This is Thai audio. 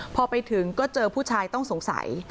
พอไปถึงก็เจอผู้ชายต้องสงสัย